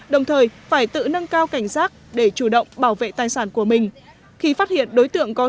đồng thời phải tự nâng cao cảnh giác để chủ động bảo vệ tài sản của mình khi phát hiện đối tượng có